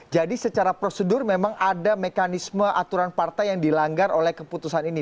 jadi secara prosedur memang ada mekanisme aturan partai yang dilanggar oleh keputusan ini